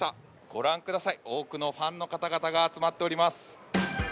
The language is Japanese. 御覧ください、多くのファンの方々が集まっております。